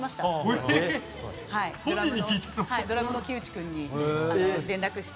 はいドラムの木内君に連絡して。